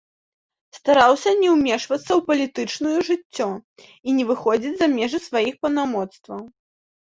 Стараўся не ўмешвацца ў палітычную жыццё і не выходзіць за межы сваіх паўнамоцтваў.